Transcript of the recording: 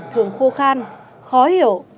thường khô khan khó hiểu